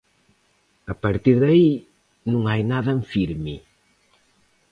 A partir de aí non hai nada en firme.